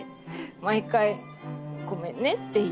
毎回ごめんねって言いながら。